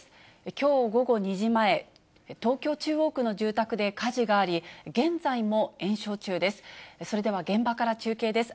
きょう午後２時前、東京・中央区の住宅で火事があり、現在も延焼中です。